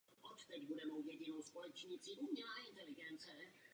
Se starým hradem jej spojoval most.